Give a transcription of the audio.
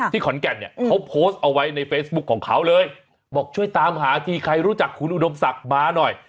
ขอนแก่นเนี่ยเขาโพสต์เอาไว้ในเฟซบุ๊คของเขาเลยบอกช่วยตามหาทีใครรู้จักคุณอุดมศักดิ์มาหน่อย